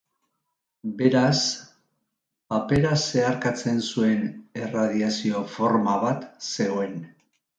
Beraz, papera zeharkatzen zuen erradiazio-forma bat zegoen.